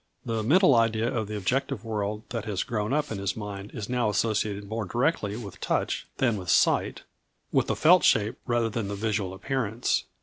The mental idea of the objective world that has grown up in his mind is now associated more directly with touch than with sight, with the felt shape rather than the visual appearance.